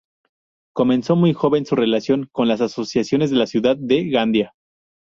Comenzó muy joven su relación con las asociaciones de la ciudad de Gandía.